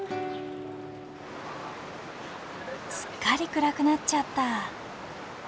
すっかり暗くなっちゃった。